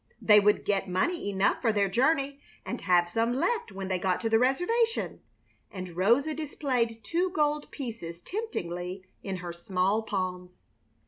They would get money enough for their journey and have some left when they got to the reservation. And Rosa displayed two gold pieces temptingly in her small palms.